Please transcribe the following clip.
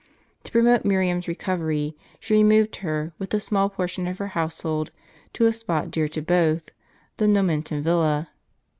To promote Miriam's recovery, she removed her, with a small portion of her household, to a spot dear to both, the Nomentan villa.